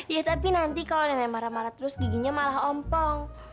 ya tapi nanti kalau nenek marah marah terus giginya malah ompong